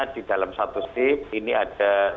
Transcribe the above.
di dalam satu shift ini ada